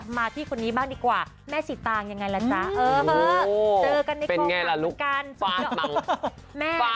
มาที่คนนี้บ้างดีกว่าแม่สีตางยังไงล่ะจ้ะโอ้โหเจอกันในความหัวมากกัน